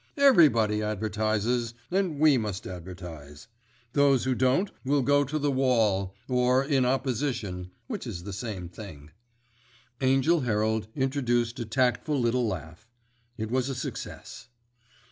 Everybody advertises, and we must advertise. Those who don't will go to the wall—or in Opposition, which is the same thing." Angell Herald introduced a tactful little laugh. It was a success.